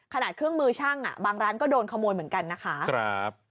เครื่องมือช่างอ่ะบางร้านก็โดนขโมยเหมือนกันนะคะ